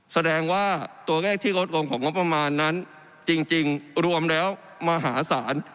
แสดงว่าตัวเลขที่ลดลงของงบประมาณนั้นจริงรวมแล้วมหาศาล